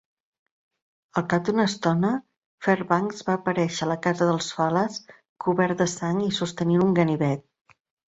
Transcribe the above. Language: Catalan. Al cap d'una estona, Fairbanks va aparèixer a la casa dels Fales, cobert de sang i sostenint un ganivet.